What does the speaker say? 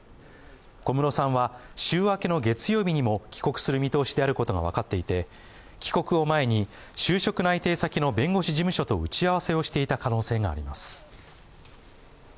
小室さんは週明けの月曜日にも帰国する見通しであることが分かっていて帰国を前に就職内定先の弁護士事務所と打ち合わせをしていた可能性があります。